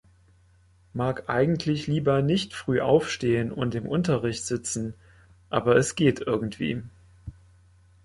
Mag eigentlich lieber nicht früh aufstehen und im Unterricht sitzen, aber es geht irgendwie.